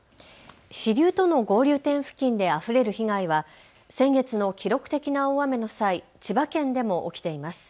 支流との合流点付近であふれる被害は先月の記録的な大雨の際、千葉県でも起きています。